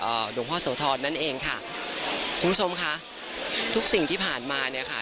หลวงพ่อโสธรนั่นเองค่ะคุณผู้ชมค่ะทุกสิ่งที่ผ่านมาเนี้ยค่ะ